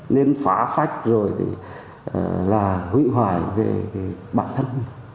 nên phá phách rồi thì là hủy hoại về bản thân